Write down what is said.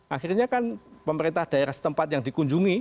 akhirnya kan pemerintah daerah setempat yang dikunjungi